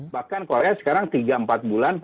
bahkan korea sekarang tiga empat bulan